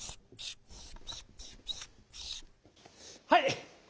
はい！